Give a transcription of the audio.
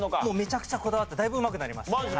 もうめちゃくちゃこだわってだいぶうまくなりました。